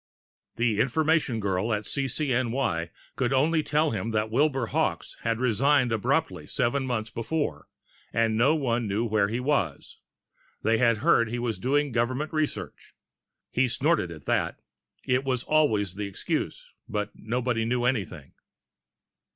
The information girl at CCNY could only tell him that Wilbur Hawkes had resigned abruptly seven months before, and no one knew where he was they had heard he was doing government research. He snorted at that it was always the excuse, when nobody knew anything.